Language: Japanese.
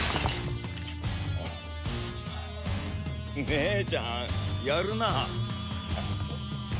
姉ちゃんやるなあ。